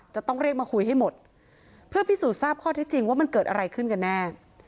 จะต้องเรียกมาคุยให้หมดเพื่อพิสูจน์ทราบข้อเท็จจริงว่ามันเกิดอะไรขึ้นกันแน่